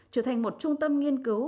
trở thành một trung tâm nghiên cứu